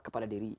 kepada diri kita